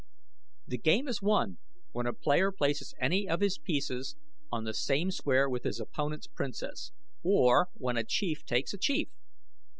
The game is won when a player places any of his pieces on the same square with his opponent's Princess, or when a Chief takes a Chief.